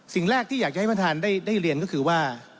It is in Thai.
สิ่งแรกที่อยากจะให้ประธานได้เรียนก็คือว่า